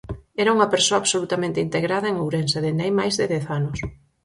Era unha persoa absolutamente integrada en Ourense dende hai máis de dez anos.